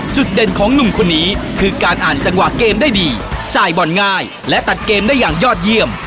จุดเด่นของหนุ่มคนนี้คือการอ่านจังหวะเกมได้ดีจ่ายบอลง่ายและตัดเกมได้อย่างยอดเยี่ยม